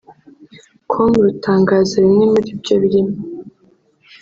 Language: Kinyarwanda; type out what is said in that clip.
com rutangaza bimwe muri byo birimo